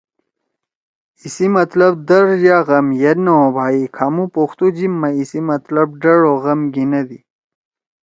ایِسی مطلب (درد یا غم) یئد نہ ہوبھائی کھامُو پختو جیِب ما ایِسی مطلب ڈڑ او غم گھیِنَدی۔